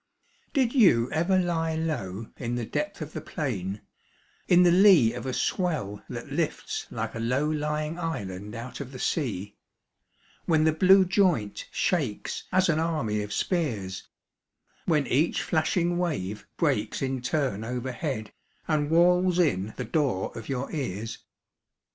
Did you ever lie low In the depth of the plain, & In the lee of a swell that lifts Like a low lying island out of the sea, When the blue joint shakes As an army of spears; When each flashing wave breaks In turn overhead And wails in the door of your ears